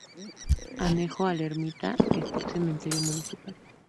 Anejo a la ermita está el cementerio municipal.